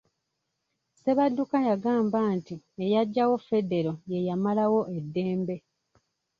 Ssebadduka yagamba nti eyaggyawo ffedero ye yamalawo eddembe.